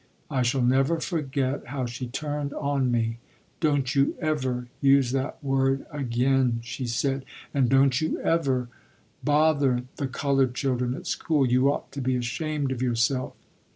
I shall never forget how she turned on me. "Don't you ever use that word again," she said, "and don't you ever bother the colored children at school. You ought to be ashamed of yourself."